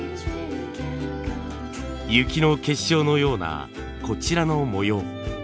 雪の結晶のようなこちらの模様。